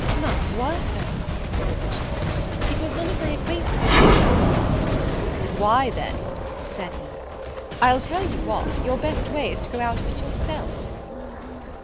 "Ma foi, Sir," answered she, "because none of my acquaintance is in town." "Why then," said he, "I'll tell you what, your best way is to go out of it yourself."